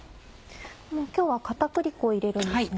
今日は片栗粉を入れるんですね。